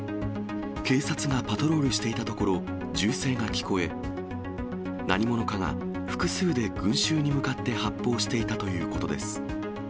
警察がパトロールしていたところ、銃声が聞こえ、何者かが複数で群衆に向かって発砲していたということです。